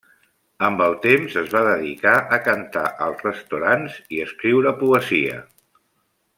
Amb el temps es va dedicar a cantar als restaurants i escriure poesia.